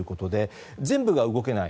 全部が動けない。